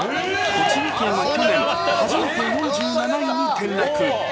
栃木県は去年、初めて４７位に転落。